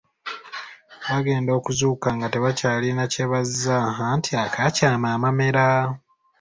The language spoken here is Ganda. Bagenda okuzuukuka nga tebakyalina kye bazza anti, akaakyama amamera…!